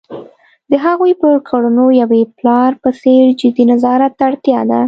د هغوی پر کړنو یوې پلار په څېر جدي نظارت ته اړتیا ده.